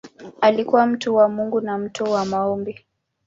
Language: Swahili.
Alikuwa mtu wa Mungu na mtu wa maombi.